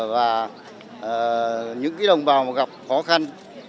và những đồng bào gặp khó khăn